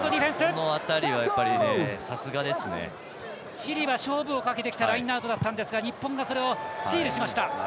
チリは勝負をかけてきたラインアウトだったんですが日本がそれをスチールしました。